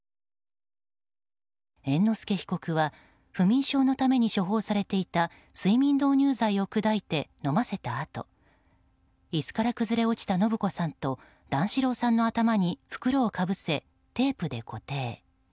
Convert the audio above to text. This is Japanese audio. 猿之助被告は不眠症のために処方されていた睡眠導入剤を砕いて飲ませたあと椅子から崩れ落ちた延子さんと段四郎さんの頭に袋をかぶせ、テープで固定。